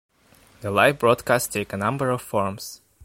The live broadcasts take a number of forms.